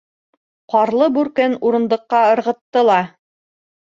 Ҡарлы бүркен урындыҡҡа ырғытты ла: